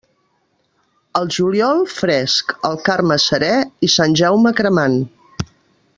El juliol fresc, el Carme serè i Sant Jaume cremant.